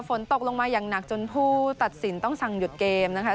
ฝนตกลงมาอย่างหนักจนผู้ตัดสินต้องสั่งหยุดเกมนะคะ